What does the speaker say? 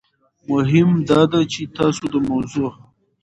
مهم داده چې تاسو د موضوع